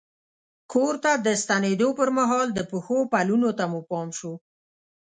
کور ته د ستنېدو پر مهال د پښو پلونو ته مو پام شو.